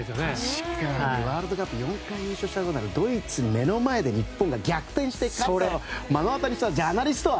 確かにワールドカップ４回優勝したことがあるドイツに目の前で日本が逆転したのを目の当たりにしたジャーナリストは。